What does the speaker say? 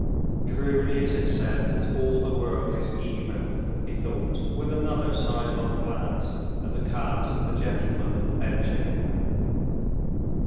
"Truly is it said that all the world is evil," he thought, with another sidelong glance at the calves of the gentleman of the bedchamber.